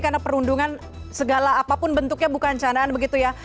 karena perundungan segala apapun bentuknya bukan canaan begitu ya